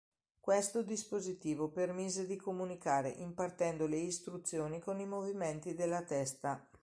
Questo dispositivo permise di comunicare impartendo le istruzioni con i movimenti della testa.